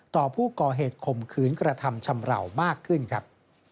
ต่อผู้ก่อเหตุข่มขืนกระทำชำราวมากขึ้นครับ